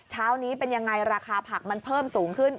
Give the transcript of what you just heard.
เช้านี้เป็นยังไงราคาผักมันเพิ่มสูงขึ้น